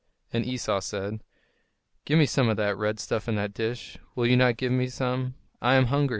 And Esau said: "Give me some of that red stuff in the dish. Will you not give me some? I am hungry."